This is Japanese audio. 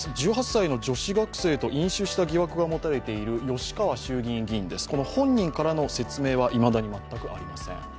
１８歳の女子学生と飲酒した疑惑が持たれている吉川衆議院議員です、本人からの説明はいまだに全くありません。